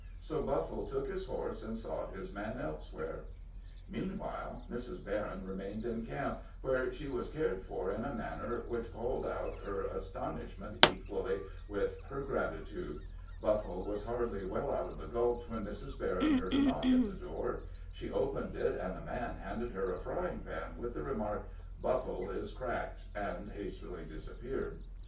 So Buffle took his horse, and sought his man elsewhere. Meanwhile, Mrs. Berryn remained in camp, where she was cared for in a manner which called out her astonishment equally with her gratitude. Buffle was hardly well out of the Gulch when Mrs. Berryn heard a knock at the door; she opened it, and a man handed her a frying pan, with the remark, "Buffle is cracked," and hastily disappeared.